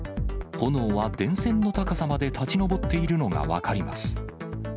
炎は電線の高さまで立ち上っているのが分かります。